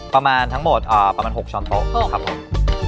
ประมาณทั้งหมดประมาณ๖ช้อนโต๊ะนะครับผม